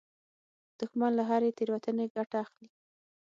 دښمن له هرې تېروتنې ګټه اخلي